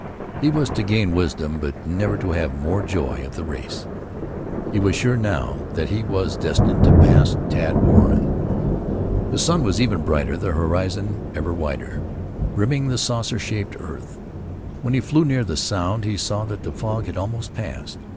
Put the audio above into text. He was to gain wisdom, but never to have more joy of the race. He was sure now that he was destined to pass Tad Warren. The sun was ever brighter; the horizon ever wider, rimming the saucer shaped earth. When he flew near the Sound he saw that the fog had almost passed.